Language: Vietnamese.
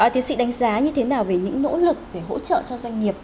tiến sĩ đánh giá như thế nào về những nỗ lực để hỗ trợ cho doanh nghiệp